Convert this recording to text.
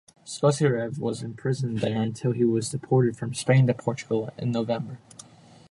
Skossyreff was imprisoned there until he was deported from Spain to Portugal in November.